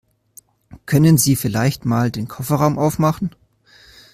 Können Sie vielleicht mal den Kofferraum aufmachen?